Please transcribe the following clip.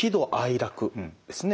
楽ですね